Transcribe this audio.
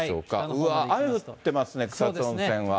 うわっ、雨降ってますね、草津温泉は。